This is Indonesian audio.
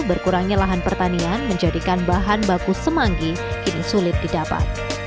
berkurangnya lahan pertanian menjadikan bahan baku semanggi kini sulit didapat